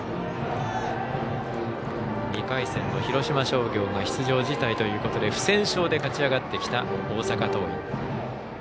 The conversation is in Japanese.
２回戦の広島商業が出場辞退ということで不戦勝で勝ち上がってきた大阪桐蔭。